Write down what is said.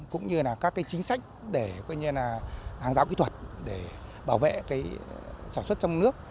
cũng như là các chính sách để hàng ráo kỹ thuật để bảo vệ sản xuất trong nước